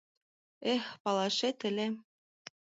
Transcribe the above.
Эх, палашет ыле!